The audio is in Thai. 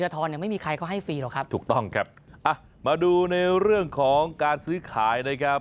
ถูกต้องครับมาดูในเรื่องของการซื้อขายนะครับ